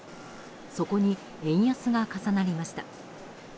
そこに円安が重なりました。